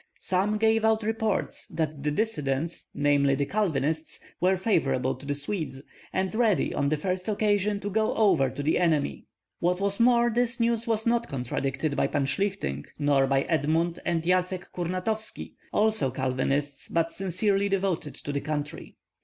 Some gave out reports that the dissidents, namely the Calvinists, were favorable to the Swedes, and ready on the first occasion to go over to the enemy. What was more, this news was not contradicted by Pan Shlihtyng nor by Edmund and Yatsck Kurnatovski, also Calvinists, but sincerely devoted to the country.